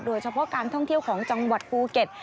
โดยเฉพาะการท่องเที่ยวของจังหวัดภูเก็ต